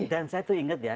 dan saya tuh inget ya